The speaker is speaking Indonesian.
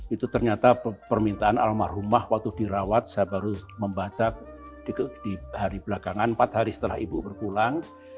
itu ternyata permintaan almarhumah waktu dirawat saya baru membaca di hari belakangan empat hari setelah ibu berpulang